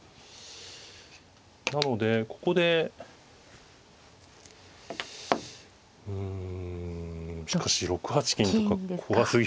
なのでここでうんしかし６八金とか怖すぎますよね。